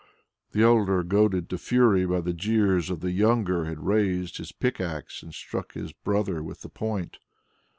The elder, goaded to fury by the jeers of the younger, had raised his pickaxe and struck his brother with the point.